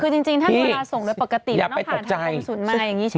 คือจริงถ้ามาส่งโดยปกติมันต้องผ่านทางกรมศูนย์มาอย่างนี้ใช่ไหม